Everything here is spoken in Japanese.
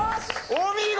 お見事！